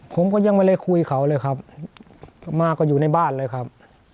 ผมก็ยังไม่ได้คุยเขาเลยครับมาก็อยู่ในบ้านเลยครับ